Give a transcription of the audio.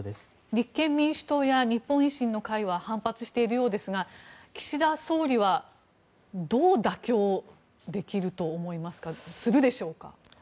立憲民主党や日本維新の会は反発しているようですが岸田総理はどう妥協するでしょうか。